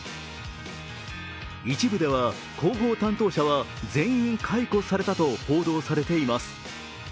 一部では広報担当者は全員解雇されたと報道されています。